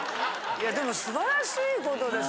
いやでも素晴らしいことです。